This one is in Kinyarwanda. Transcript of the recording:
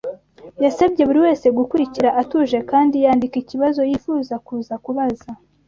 Yasabye buri wese gukurikira atuje kandi yandika ikibazo yifuza kuza kubaza